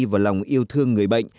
và lòng yêu thương người bệnh